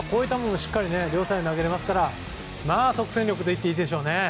両サイド、投げられますから即戦力といっていいでしょうね。